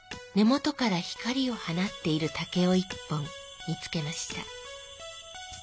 元から光をはなっている竹を一本見つけました。